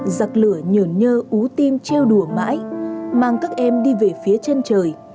giặc lửa nhờn nhơ ú tim treo đùa mãi mang các em đi về phía chân trời